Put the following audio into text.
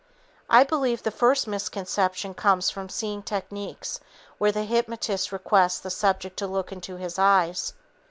I believe the first misconception comes from seeing techniques where the hypnotist requests the subject to look into his eyes.